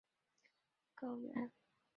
属于青藏高原。